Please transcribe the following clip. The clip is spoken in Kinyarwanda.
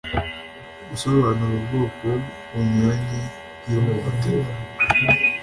Gusobanura ubwoko bunyuranye bw'ihohoterwa.